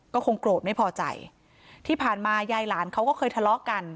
ก็คงโกรธไม่พอใจที่ผ่านมายายหลานเขาก็เคยทะเลาะกัน